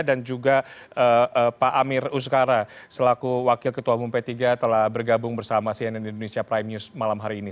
dan juga pak amir uzkara selaku wakil ketua bumpe tiga telah bergabung bersama cnn indonesia prime news malam hari ini